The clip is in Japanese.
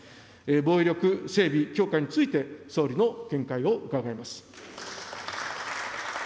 防衛力整備強化について、総理の見解を伺います。